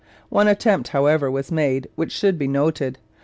One attempt, however, was made which should be noted.